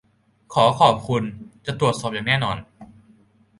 ขอขอบคุณ. จะตรวจสอบอย่างแน่นอน